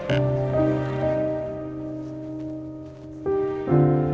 udah kita ucapin ya tuh